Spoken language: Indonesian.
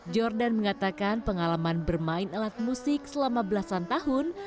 jordan mengatakan pengalaman bermain alat musik selama belasan tahun